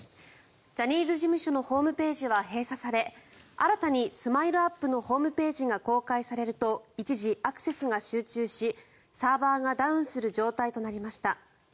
ジャニーズ事務所のホームページは閉鎖され新たにＳＭＩＬＥ−ＵＰ．のホームページが公開されると一時、アクセスが集中しサーバーがダウンする状態となりました。